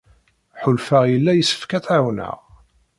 Ḥulfaɣ yella yessefk ad tt-ɛawneɣ.